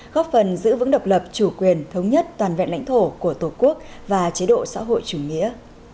góp phần giữ vững độc lập chủ quyền thống nhất toàn vẹn lãnh thổ của tổ quốc và chế độ xã hội chủ nghĩa